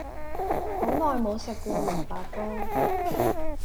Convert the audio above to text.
好耐無食過蘿蔔糕